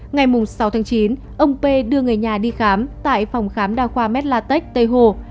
ngày sáu tháng chín ông p đưa người nhà đi khám tại phòng khám đa khoa merlatech tây hồ